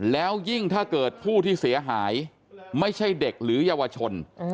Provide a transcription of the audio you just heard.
แล้วยิ่งถ้าเกิดผู้ที่เสียหายไม่ใช่เด็กหรือเยาวชน